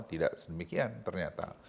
tidak sedemikian ternyata